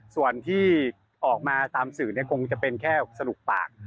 ส่วนที่ออกมาตามสื่อคงจะเป็นแค่สรุปปาก